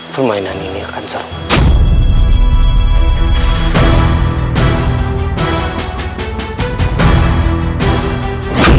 permainan ini akan seru